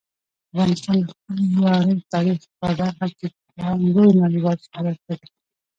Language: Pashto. افغانستان د خپل ویاړلي تاریخ په برخه کې پوره او لوی نړیوال شهرت لري.